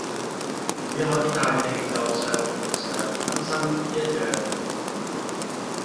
雨後的大地就像換上新衣一樣